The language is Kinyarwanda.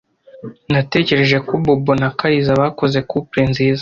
Natekereje ko Bobo na Kariza bakoze couple nziza.